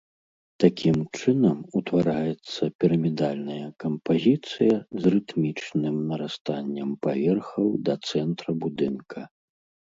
Такім чынам утвараецца пірамідальная кампазіцыя з рытмічным нарастаннем паверхаў да цэнтра будынка.